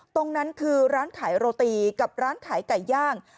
ตรงนั้นคือร้านขายโรตีกับร้านขายไก่ย่าง